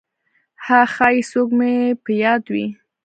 «ها… ښایي څوک مې په یاد وي!»